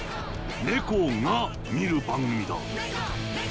ネコが見る番組だ。